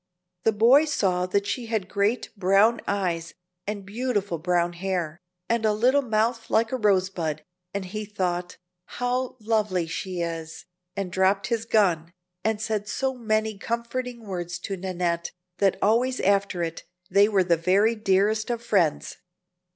The boy saw that she had great brown eyes, and beautiful brown hair, and a little mouth like a rose bud, and he thought, "How lovely she is!" and dropped his gun, and said so many comforting words to Nannette, that always after it they were the very dearest of friends.